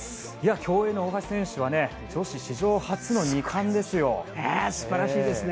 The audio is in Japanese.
競泳の大橋選手は女子史上初の素晴らしいですね。